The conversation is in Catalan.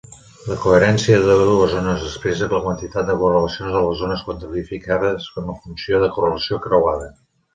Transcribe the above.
La coherència de dues ones expressa la quantitat de correlacions de les ones quantificades amb la funció de correlació creuada.